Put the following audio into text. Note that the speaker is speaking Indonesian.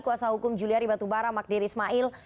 kuasa hukum juliari batubara magdir ismail